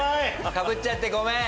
かぶっちゃってごめん！